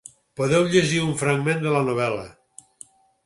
Podeu llegir un fragment de la novel·la.